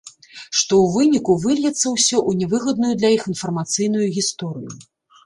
Што ў выніку выльецца ўсё ў нявыгадную для іх інфармацыйную гісторыю.